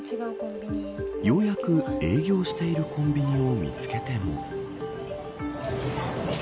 ようやく営業しているコンビニを見つけても。